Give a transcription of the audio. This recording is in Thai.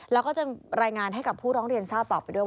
แล้วก็จะรายงานให้กับผู้ร้องเรียนทราบต่อไปด้วย